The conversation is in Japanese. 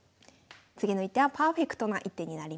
次の一手はパーフェクトな一手になります。